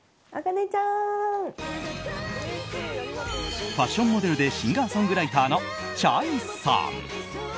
茜ちゃん！ファッションモデルでシンガーソングライターのｃｈａｙさん。